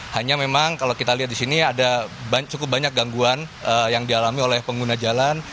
hanya memang kalau kita lihat di sini ada cukup banyak gangguan yang dialami oleh pengguna jalan